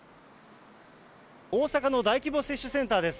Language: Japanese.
大阪の大規模接種センターです。